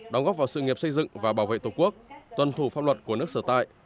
đóng góp vào sự nghiệp xây dựng và bảo vệ tổ quốc tuân thủ pháp luật của nước sở tại